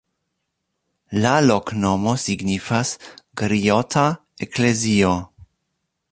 La loknomo signifas: griota-eklezio.